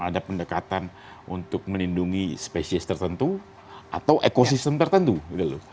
ada pendekatan untuk melindungi spesies tertentu atau ekosistem tertentu